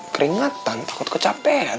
keringatan takut kecapean